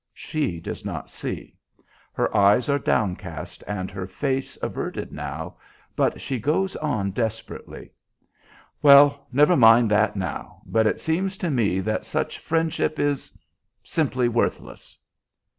She does not see. Her eyes are downcast and her face averted now, but she goes on desperately. "Well, never mind that now; but it seems to me that such friendship is simply worthless."